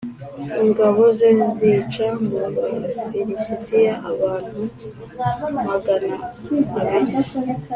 ingabo ze yica mu Bafilisitiya abantu magana abiri